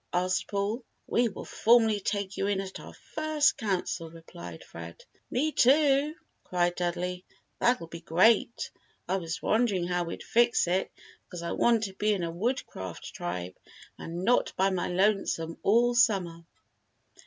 asked Paul. "We will formally take you in at our first Council," replied Fred. "Me too!" cried Dudley. "That'll be great! I was wondering how we'd fix it 'cause I want to be in a Woodcraft Tribe and not by my lonesome all summer."